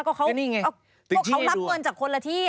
ก็พวกเขารับเงินจากคนละที่